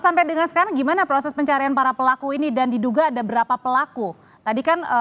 sampai dengan sekarang gimana proses pencarian para pelaku ini dan diduga ada berapa pelaku tadi kan